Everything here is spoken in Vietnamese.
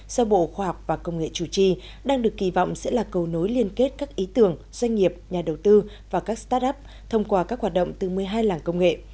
do bộ khoa học và công nghệ chủ trì đang được kỳ vọng sẽ là cầu nối liên kết các ý tưởng doanh nghiệp nhà đầu tư và các start up thông qua các hoạt động từ một mươi hai làng công nghệ